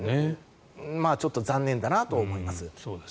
ちょっと残念だなと思います。